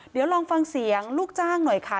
เดี๋ยวลองฟังเสียงลูกจ้างหน่อยค่ะ